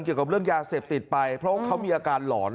เกี่ยวกับเรื่องยาเสพติดไปเพราะเขามีอาการหลอน